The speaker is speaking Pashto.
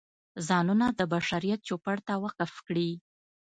ځانونه د بشریت چوپړ ته وقف کړي.